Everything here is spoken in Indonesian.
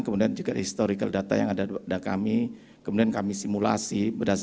kemudian juga historical data yang ada kami